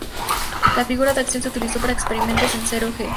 La figura de acción se utilizó para experimentos en cero-g.